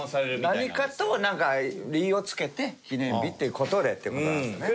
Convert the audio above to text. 何かと理由をつけて記念日っていう事でって事なんですね。